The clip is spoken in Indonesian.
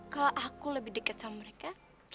kalau aku lebih dekat sama mereka